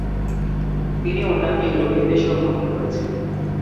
তিনি অন্যান্য ইউরোপীয় দেশেও ভ্রমণ করেছেন।